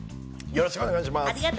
よろしくお願いします。